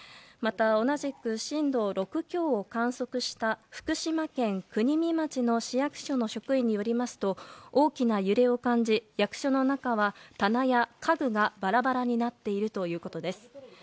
また、同じく震度６強を観測した福島県国見町の職員によりますと大きな揺れを感じ役所の中は、棚や家具がバラバラになっているということです。